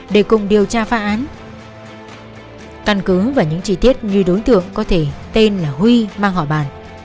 để cùng điều tra phá án căn cứ và những chi tiết như đối tượng có thể tên là huy mang họ bàn